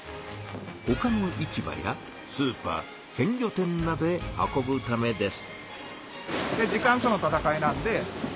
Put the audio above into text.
ほかの市場やスーパー鮮魚店などへ運ぶためです。